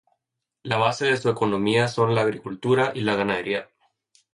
La base de su economía son la agricultura y la ganadería.